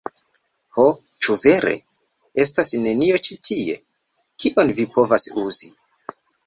Ho, ĉu vere? Estas nenio ĉi tie? Kion mi povas uzi?